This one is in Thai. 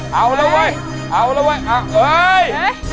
เอาแล้วเว้ยเอาแล้วเว้ย